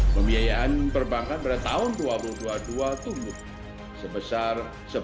pembiayaan perbankan pada tahun dua ribu dua puluh dua tumbuh sebesar sebelas tiga puluh lima